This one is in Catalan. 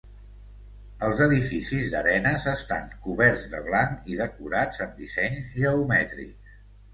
Els edificis d'arenes estan coberts de blanc i decorats amb dissenys geomètrics.